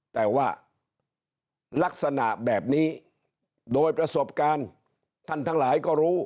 แต่ว่าลักษณะแบบนี้โดยประสบการณ์ท่านทั้งหลายก็รู้